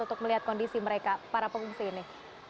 untuk melihat kondisi mereka para pengungsi ini